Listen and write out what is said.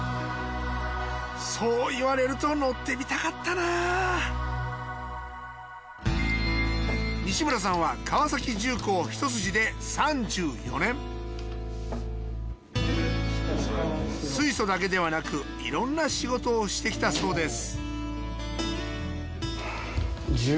そう言われると乗ってみたかったなぁ西村さんは川崎重工ひと筋で３４年水素だけではなくいろんな仕事をしてきたそうです